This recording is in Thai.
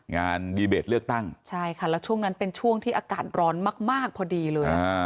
งานดีเบตเลือกตั้งใช่ค่ะแล้วช่วงนั้นเป็นช่วงที่อากาศร้อนมากพอดีเลย